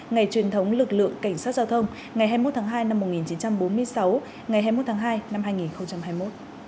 ngày truyền thống lực lượng cảnh sát giao thông ngày hai mươi một tháng hai năm một nghìn chín trăm bốn mươi sáu ngày hai mươi một tháng hai năm hai nghìn hai mươi một